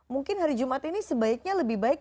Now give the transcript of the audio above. mungkin hari jumat ini sebaiknya lebih baik